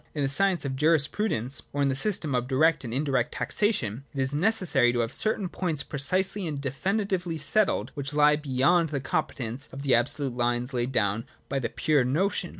in the science of jurisprudence, or in the system of direct and indirect taxation, it is necessary to have certain points precisely and definitively settled which lie be yond the competence of the absolute lines laid down by the pure notion.